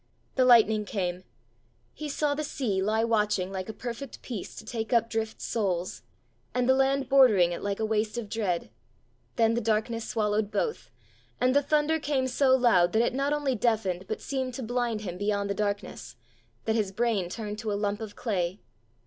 The lightning came; he saw the sea lie watching like a perfect peace to take up drift souls, and the land bordering it like a waste of dread; then the darkness swallowed both; and the thunder came so loud that it not only deafened but seemed to blind him beyond the darkness, that his brain turned to a lump of clay.